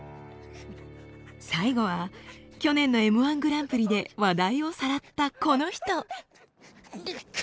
最後は去年のＭー１グランプリで話題をさらったこの人。